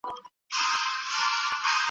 ډاکټر وویل چې فشار خطرناک دی.